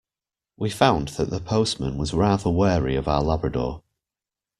We found that the postman was rather wary of our labrador